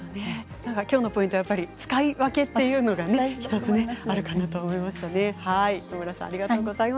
きょうのポイントは使い分けというのが１つあるかと思います。